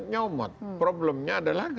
nyomot problemnya adalah